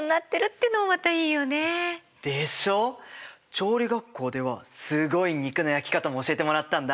調理学校ではすごい肉の焼き方も教えてもらったんだ。